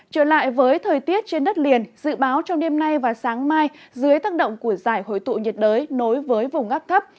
trở lại với thời tiết trên đất liền dự báo trong đêm nay và sáng mai dưới tăng động của giải hội tụ nhiệt đới nối với vùng ngắp thấp